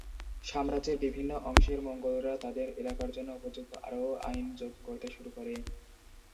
সাম্রাজ্যের বিভিন্ন অংশের মঙ্গোলরা তাদের এলাকার জন্য উপযুক্ত আরও আইন যোগ করতে শুরু করে।